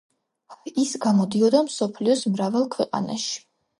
ის გამოდიოდა მსოფლიოს მრავალ ქვეყანაში.